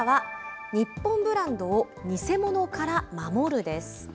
けさは日本ブランドを偽物から守るです。